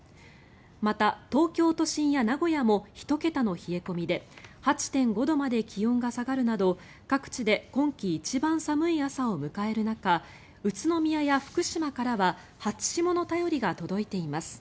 また東京都心や名古屋も１桁の冷え込みで８．５度まで気温が下がるなど各地で今季一番寒い朝を迎える中宇都宮や福島からは初霜の便りが届いています。